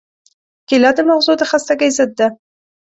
کېله د مغزو د خستګۍ ضد ده.